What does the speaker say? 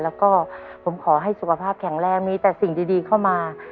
แล้วก็ผมขอให้สุขภาพแข็งแรงมีแต่สิ่งดีเข้ามา